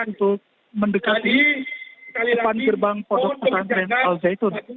untuk mendekati depan gerbang pondok pesantren al zaitun